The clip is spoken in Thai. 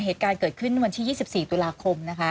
เหตุการณ์เกิดขึ้นวันที่๒๔ตุลาคมนะคะ